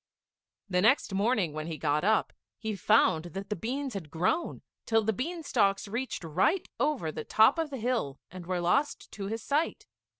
The next morning when he got up, he found that the beans had grown, till the bean stalks reached right over the top of the hill, and were lost to his sight.